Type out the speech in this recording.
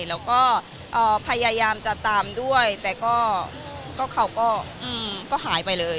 แล้วก็เอ่อพยายามจะตามด้วยแต่ก็ก็เขาก็อืมก็หายไปเลย